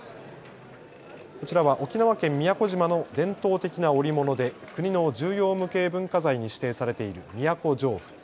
こちらは沖縄県宮古島の伝統的な織物で国の重要無形文化財に指定されている宮古上布。